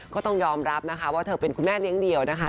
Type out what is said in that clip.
ก็ต้องยอมรับนะคะว่าเธอเป็นคุณแม่เลี้ยงเดี่ยวนะคะ